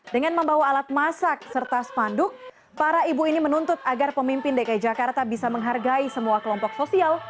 dengan membawa alat masak serta spanduk para ibu ini menuntut agar pemimpin dki jakarta bisa menghargai semua kelompok sosial